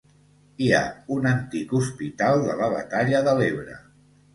Hi ha un antic hospital de la Batalla de l'Ebre.